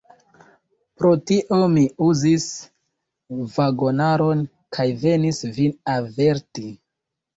Pro tio mi uzis vagonaron, kaj venis vin averti.